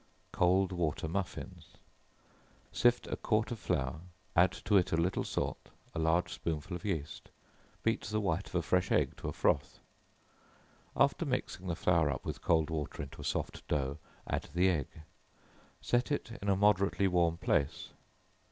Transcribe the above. Cold Water Muffins. Sift a quart of flour, add to it a little salt, a large spoonful of yeast, beat the white of a fresh egg to a froth; after mixing the flour up with cold water into a soft dough, add the egg; set it in a moderately warm place.